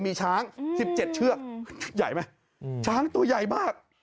มีช้างสิบเจ็ดเชือกใหญ่ไหมอืมช้างตัวใหญ่มาก